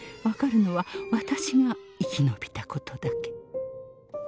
分かるのは私が生きのびたことだけ。